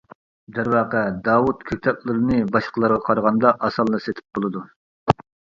دەرۋەقە، داۋۇت كۆكتاتلىرىنى باشقىلارغا قارىغاندا ئاسانلا سېتىپ بولىدۇ.